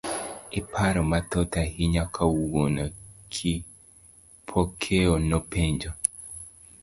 iparo mathoth ahinya kawuono, Kipokeo nopenje.